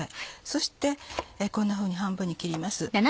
そしてこんなふうに半分に切ります。